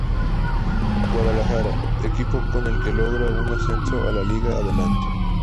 Guadalajara, equipo con el que logra un ascenso a la Liga Adelante.